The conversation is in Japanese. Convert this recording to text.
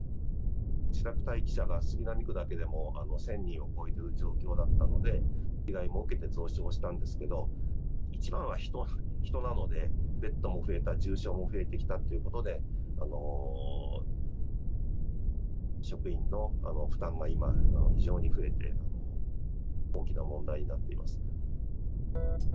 自宅待機者が杉並区だけでも１０００人を超える状況だったので、依頼を受けて増床したんですけれども、一番は人なので、ベッドも増えた、重症も増えてきたということで、職員の負担が今、非常に増えて、大きな問題になっています。